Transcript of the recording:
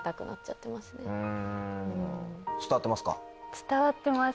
伝わってます